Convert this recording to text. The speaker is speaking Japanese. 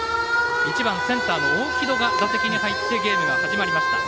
１番、センターの大城戸が打席に入ってゲームが始まりました。